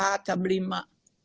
itu tuh gini ya